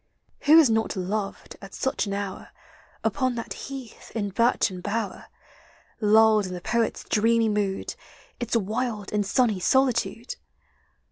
Who has not loved, at such an hour, LIGHT: DAY: NIGHT. 47 Upon that heath, in birchen bower, Lulled in the poet's dreamy mood, Its wild and sunny solitude?